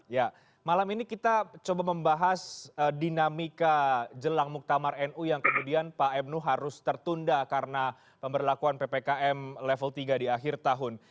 ya malam ini kita coba membahas dinamika jelang muktamar nu yang kemudian pak mnu harus tertunda karena pemberlakuan ppkm level tiga di akhir tahun